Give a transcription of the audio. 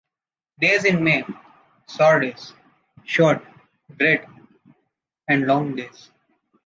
Days in May, sour days: short bread and long days.